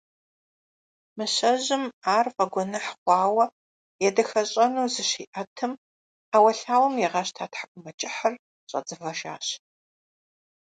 Мыщэжьым ар фӀэгуэныхь хъуауэ едэхэщӀэну зыщиӀэтым, Ӏэуэлъауэм игъэщта ТхьэкӀумэкӀыхьыр, щӀэцӀывэжащ.